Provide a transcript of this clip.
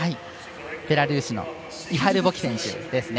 ベラルーシのイハル・ボキ選手ですね。